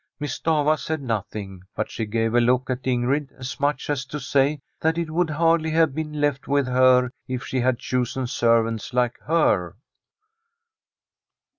Miss Stafva said nothing, but she gave a look at Ingrid as much as to say that it would hardiv have been left with her if she had chosen servants like her.